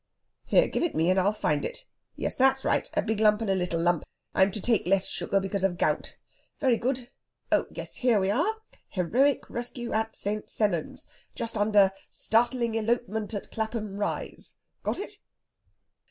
"Here, give it me and I'll find it.... Yes that's right a big lump and a little lump. I'm to take less sugar because of gout. Very good! Oh ... yes ... here we are. 'Heroic Rescue at St. Sennans' ... just under 'Startling Elopement at Clapham Rise'.... Got it?"